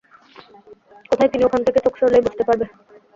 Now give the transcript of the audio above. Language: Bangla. কোথায় তিনি ওখান থেকে চোখ সরলেই বুঝতে পারবে!